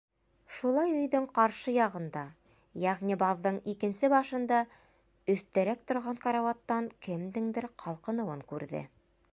Шулай өйҙөң ҡаршы яғында, йәғни баҙҙың икенсе башында, өҫтәрәк торған карауаттан кемдеңдер ҡалҡыныуын күрҙе.